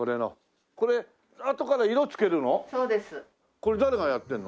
これ誰がやってるの？